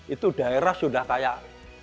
itu daerah sudah kayak